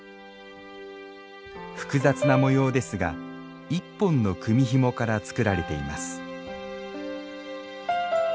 複雑な模様ですが１本の組みひもから作られています